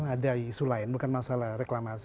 ada isu lain bukan masalah reklamasi